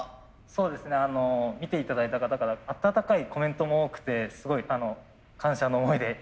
そうですね見て頂いた方から温かいコメントも多くてすごい感謝の思いでいっぱいでございます。